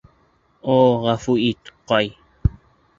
О, ғәфү ит, Кай!..